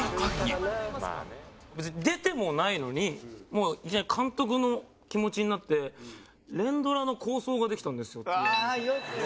別に出てもないのにもういきなり監督の気持ちになって連ドラの構想ができたんですよって言い始めて。